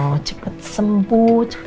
gak ada apa apa